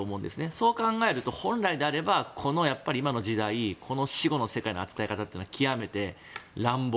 そう考えると本来であれば今回の死後の世界の扱いというのは極めて乱暴。